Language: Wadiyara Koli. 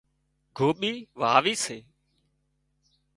گوٻي واوي سي